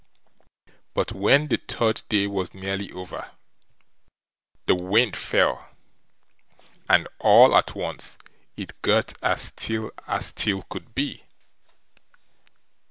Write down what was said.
But when the third day was nearly over, the wind fell, and all at once it got as still as still could be.